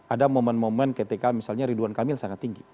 ada momen momen ketika misalnya ridwan kamil sangat tinggi